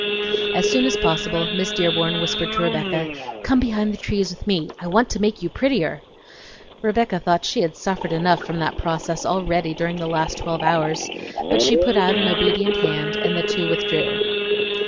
As soon as possible Miss Dearborn whispered to Rebecca: "Come behind the trees with me; I want to make you prettier!" Rebecca thought she had suffered enough from that process already during the last twelve hours, but she put out an obedient hand and the two withdrew.